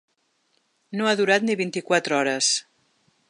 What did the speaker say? No ha durat ni vint-i-quatre hores.